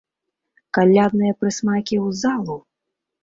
Калядныя прысмакі ў залу!